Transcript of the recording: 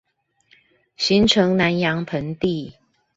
形成南陽盆地